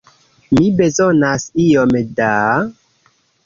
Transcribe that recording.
Mi bezonas iom da...